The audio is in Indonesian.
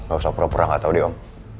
gak usah pura pura gak tau deh om